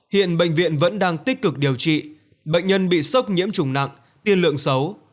hiện bệnh viện vẫn đang tích cực điều trị bệnh nhân bị sốc nhiễm trùng nặng tiên lượng xấu